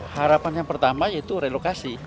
harapan yang pertama yaitu relokasi